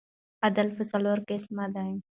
عدل پر څلور قسمه دئ.